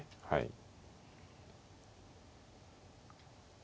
はい。